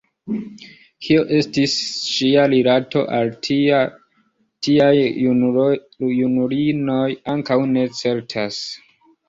Kio estis ŝia rilato al tiaj junulinoj, ankaŭ ne certas.